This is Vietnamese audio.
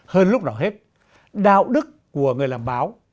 hơn lúc nào hết đạo đức của người làm báo